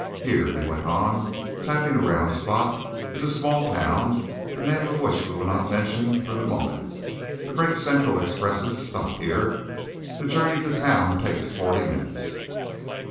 Here," he went on, tapping a round spot, "is a small town, the name of which we will not mention for the moment. The Great Central expresses stop here. The journey to town takes forty minutes.